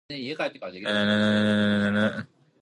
In the past the German name was "Commenda".